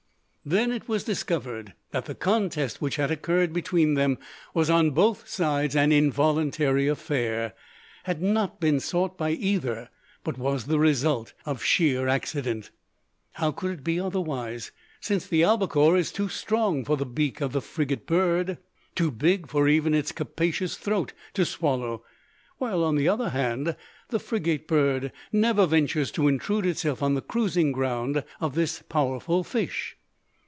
Then it was discovered that the contest which had occurred between them was on both sides an involuntary affair, had not been sought by either; but was the result of sheer accident. How could it be otherwise: since the albacore is too strong for the beak of the frigate bird, too big for even its capacious throat to swallow; while, on the other hand, the frigate bird never ventures to intrude itself on the cruising ground of this powerful fish?